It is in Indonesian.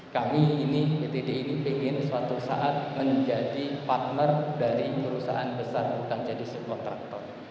kami ini pt di ini ingin suatu saat menjadi partner dari perusahaan besar bukan jadi support tractor